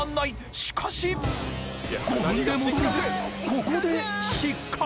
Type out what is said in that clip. ［しかし５分で戻れずここで］